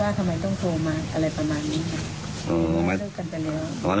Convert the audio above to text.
ว่าทำไมต้องโทรมาอะไรประมาณนี้